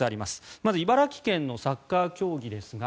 まず茨城県のサッカー競技ですが